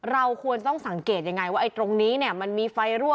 เราควรต้องสังเกตยังไงว่าไอ้ตรงนี้เนี่ยมันมีไฟรั่ว